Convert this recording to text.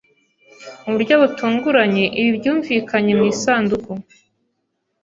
Mu buryo butunguranye ibi byumvikanye mu isanduku